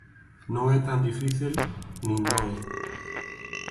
Non é tan difícil nin doe.